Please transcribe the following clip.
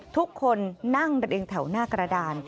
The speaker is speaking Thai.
ทุกคนนั่งเรียงแถวหน้ากระดาน